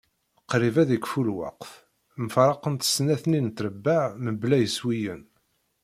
Qrib ad ikfu lweqt. Mfaraqent snat-nni n trebbaɛ mebla iswiyen.